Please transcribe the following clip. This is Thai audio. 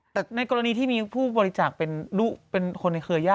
แต่ในกรณีที่มีผู้บริจักษ์เป็นรูปเป็นคนในเคยไย